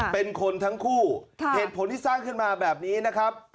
เป็นคนทั้งคู่เหตุผลที่สร้างขึ้นมาแบบนี้นะครับ